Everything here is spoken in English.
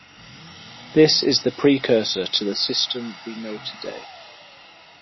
This is the precursor to the system we know today.